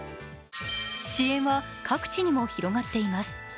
支援は各地にも広がっています。